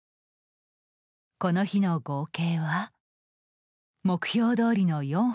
この日の合計は目標どおりの４本。